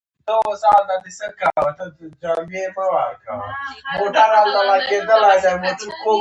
ارکائیزم د ژبې د پخواني حالت نخښه ده.